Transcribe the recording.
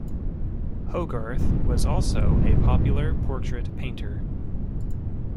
Hogarth was also a popular portrait painter.